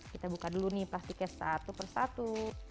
kita buka dulu nih plastiknya satu per satu